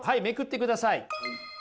めくってください。